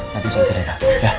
nanti saya cerita ya